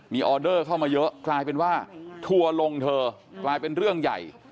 มีออเดอร์เข้ามาเยอะกลายเป็นว่าทัวร์ลงเธอกลายเป็นเรื่องใหญ่